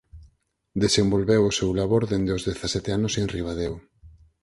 Desenvolveu o seu labor dende os dezasete anos en Ribadeo.